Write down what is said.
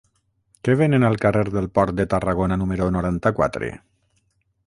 Què venen al carrer del Port de Tarragona número noranta-quatre?